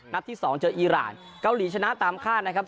ที่๒เจออีรานเกาหลีชนะตามคาดนะครับ